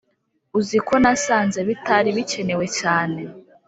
uziko nasanze bitari bikenewe cyane